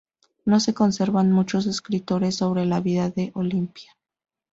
No se conservan muchos escritos sobre la vida de Olimpia.